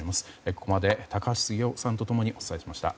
ここまで高橋杉雄さんと共にお伝えしました。